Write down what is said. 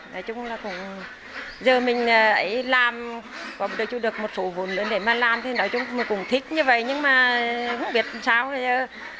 nói chung là cũng giờ mình ấy làm có được một số vốn để mà làm thì nói chung mình cũng thích như vậy nhưng mà không biết sao